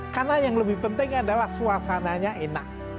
karena yang lebih penting adalah suasananya enak